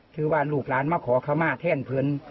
ถือว่าศัพท์ลูกร้านมาขอข้ามาะเทศคืน